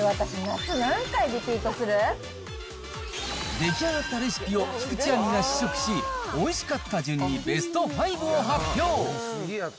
これ、出来上がったレシピを菊地亜美が試食し、おいしかった順にベスト５を発表。